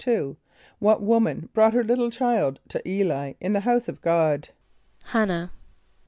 = What woman brought her little child to [=E]´l[=i] in the house of God? =H[)a]n´nah.